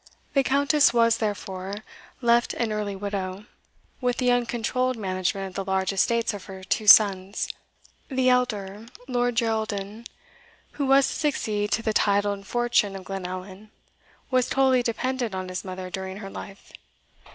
The Countess was, therefore, left an early widow, with the uncontrolled management of the large estates of her two sons. The elder, Lord Geraldin, who was to succeed to the title and fortune of Glenallan, was totally dependent on his mother during her life.